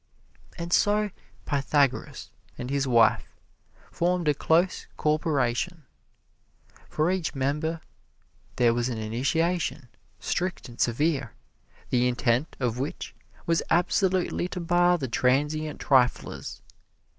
And so Pythagoras and his wife formed a close corporation. For each member there was an initiation, strict and severe, the intent of which was absolutely to bar the transient triflers.